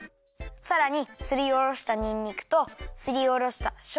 さらにすりおろしたにんにくとすりおろしたしょうがをいれます。